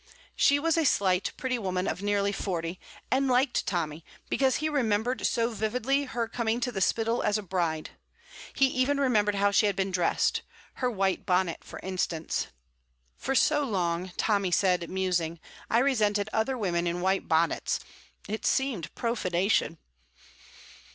She was a slight, pretty woman of nearly forty, and liked Tommy because he remembered so vividly her coming to the Spittal as a bride. He even remembered how she had been dressed her white bonnet, for instance. "For long," Tommy said, musing, "I resented other women in white bonnets; it seemed profanation."